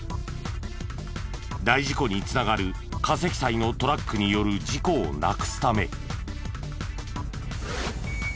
大事故に繋がる過積載のトラックによる事故をなくすため。